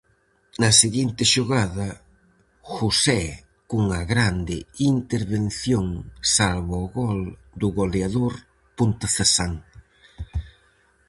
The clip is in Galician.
Na seguinte xogada, José cunha grande intervención salva o gol do goleador pontecesán.